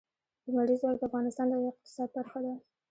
لمریز ځواک د افغانستان د اقتصاد برخه ده.